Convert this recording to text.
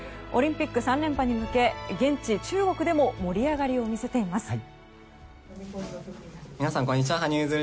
オリンピック３連覇に向け現地・中国でも盛り上がりを見せています。